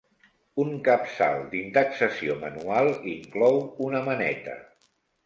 Un capçal d'indexació manual inclou una maneta.